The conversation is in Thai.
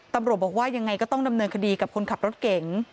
ตำรวจบอกว่ายังไงก็ต้องดำเนินคดีกับคนขับรถเก๋ง